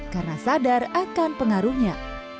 karena sadar akan pengaruhnya